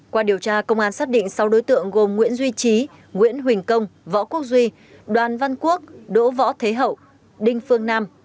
qua điều tra công an xác định sáu đối tượng gồm nguyễn duy trí nguyễn huỳnh công võ quốc duy đoàn văn quốc đỗ võ thế hậu đinh phương nam